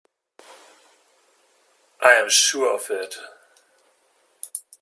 I am sure of it.